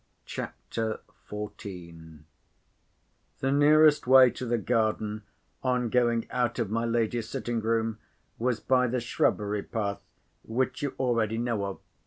CHAPTER XIV The nearest way to the garden, on going out of my lady's sitting room, was by the shrubbery path, which you already know of.